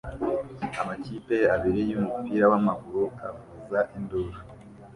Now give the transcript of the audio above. Amakipe abiri yumupira wamaguru avuza induru